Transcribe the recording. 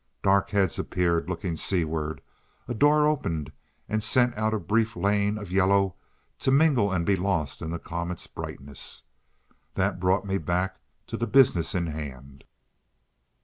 Dark heads appeared looking seaward, a door opened, and sent out a brief lane of yellow to mingle and be lost in the comet's brightness. That brought me back to the business in hand.